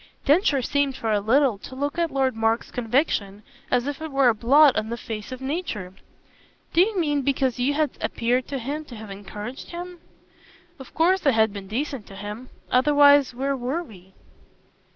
Densher seemed for a little to look at Lord Mark's conviction as if it were a blot on the face of nature. "Do you mean because you had appeared to him to have encouraged him?" "Of course I had been decent to him. Otherwise where WERE we?"